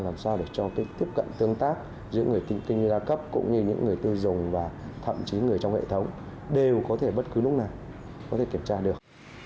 làm sao để cho cái tiếp cận tương tác giữa người kinh doanh đa cấp cũng như những người tiêu dùng và thậm chí người trong hệ thống đều có thể bất cứ lúc nào có thể kiểm tra được